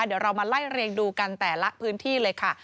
เดี๋ยวเรามาไล่เรียงดูกันแต่ละพื้นที่เลยค่ะ